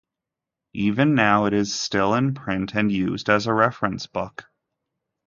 Even now it is still in print and used as a reference book.